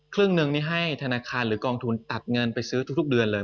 ครึ่งหนึ่งนี่ให้ธนาคารหรือกองทุนตัดเงินไปซื้อทุกเดือนเลย